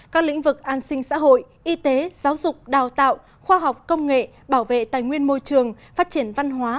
các lĩnh vực an sinh xã hội y tế giáo dục đào tạo khoa học công nghệ bảo vệ tài nguyên môi trường phát triển văn hóa